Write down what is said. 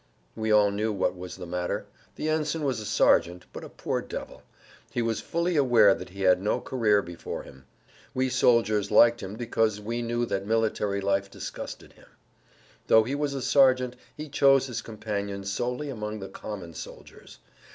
We all knew what was the matter. The ensign was a sergeant, but a poor devil. He was fully aware that he had no career before him. We soldiers liked him because we knew that military life disgusted him. Though he was a sergeant he chose his companions solely among the common soldiers.